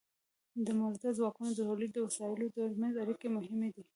د مؤلده ځواکونو او د تولید د وسایلو ترمنځ اړیکې مهمې دي.